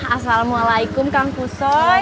asalamualaikum kang kusoy